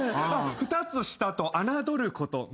２つ下と侮ることなかれ。